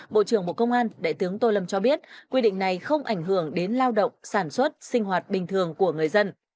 bộ trưởng bộ công an đại tướng tô lâm cho biết quy định này không ảnh hưởng đến lao động sản xuất sinh hoạt bình thường của người dân